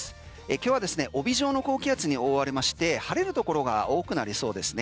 今日は帯状の高気圧に覆われまして晴れるところが多くなりそうですね。